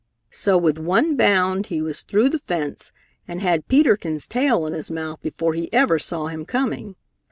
So with one bound he was through the fence and had Peter Kins' tail in his mouth before he ever saw him coming.